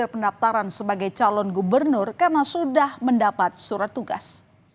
pendaftaran sebagai calon gubernur karena sudah mendapat surat tugas